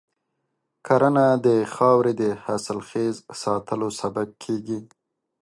کرنه د خاورې د حاصلخیز ساتلو سبب کېږي.